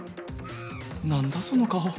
何だその顔。